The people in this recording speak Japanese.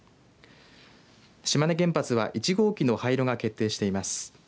島根原発は、１号機の廃炉が決定しています。